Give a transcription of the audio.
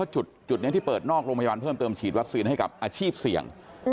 จุดนี้ที่เปิดนอกโรงพยาบาลเพิ่มเติมฉีดวัคซีนให้กับอาชีพเสี่ยง